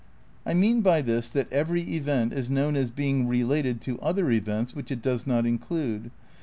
I mean by this that every event is known as being related to other events which it does not include